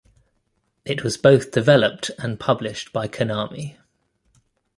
It was both developed and published by Konami.